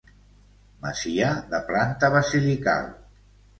Masia de planta basilical.